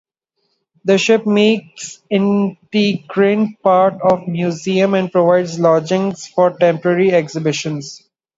The ship makes integrant part of the Museum and provides lodging for temporary exhibitions.